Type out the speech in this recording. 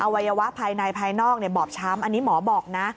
วัยวะภายในภายนอกบอบช้ำอันนี้หมอบอกนะ